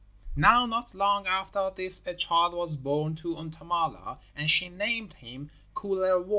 Now not long after this a child was born to Untamala, and she named him Kullervo.